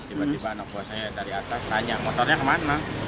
tiba tiba anak buah saya dari atas tanya motornya kemana